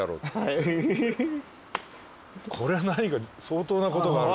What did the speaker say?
これは何か相当なことが。